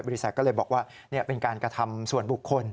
บริษัทก็เลยบอกว่าเป็นการกระทำส่วนบุคคล